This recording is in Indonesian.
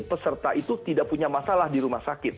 peserta itu tidak punya masalah di rumah sakit